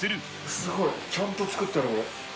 すごい、ちゃんと作ってある。